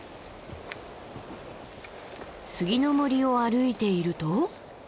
杉の森を歩いていると。